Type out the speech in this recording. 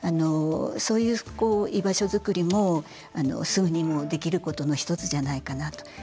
そういう居場所作りもすぐにも、できることの一つじゃないかなと。